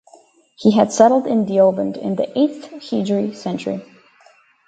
He had settled in Deoband in the eighth hijri century.